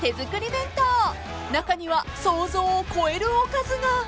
［中には想像を超えるおかずが］